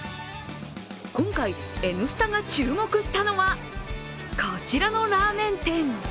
今回、「Ｎスタ」が注目したのは、こちらのラーメン店。